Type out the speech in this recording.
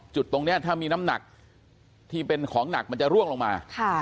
จุดตรงนี้ถ้ามีน้ำหนักที่เป็นของหนักมันจะร่วงลงมา